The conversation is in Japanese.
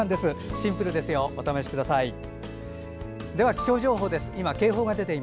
シンプルですよ。お試しください。